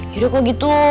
yaudah kok gitu